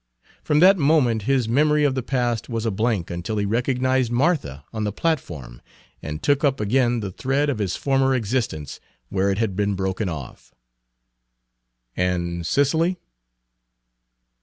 From that moment his memory of the past was a blank until he recognized Martha on the platform and took up again the thread of his former existence where it had been broken off. And Cicely?